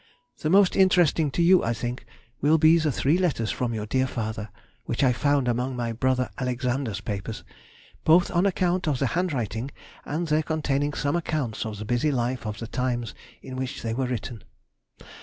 The most interesting to you, I think, will be the three letters from your dear father (which I found among my brother Alexander's papers), both on account of the handwriting and their containing some accounts of the busy life of the times in which they were written.